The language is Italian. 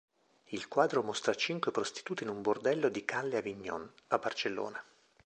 Il quadro mostra cinque prostitute in un bordello di calle Avignon, a Barcellona.